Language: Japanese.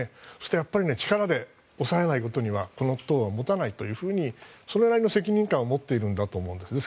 やっぱり力で抑えないことにはこの党はもたないとそれなりの責任感を持っているんだと思います。